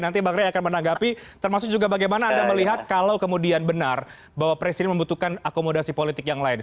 nanti bang rey akan menanggapi termasuk juga bagaimana anda melihat kalau kemudian benar bahwa presiden membutuhkan akomodasi politik yang lain